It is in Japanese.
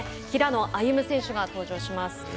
平野歩夢選手が登場します。